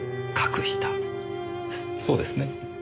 そうですね？